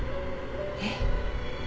えっ？